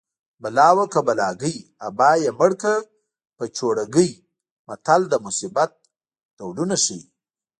بلا وه که بلاګۍ ابا یې مړکه په چوړکۍ متل د مصیبت ډولونه ښيي